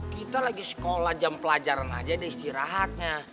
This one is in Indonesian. kita lagi sekolah jam pelajaran aja deh istirahatnya